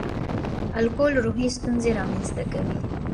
الکول روحي ستونزې رامنځ ته کوي.